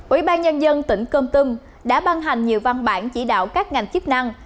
ủy ban nhân dân tỉnh cơm tâm đã ban hành nhiều văn bản chỉ đạo các ngành chức năng